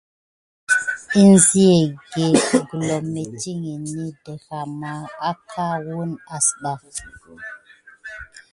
Ənzia egge gulom mettiŋgini daha mà aka wune asba.